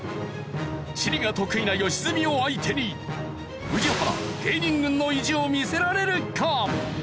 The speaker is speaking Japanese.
地理が得意な良純を相手に宇治原芸人軍の意地を見せられるか？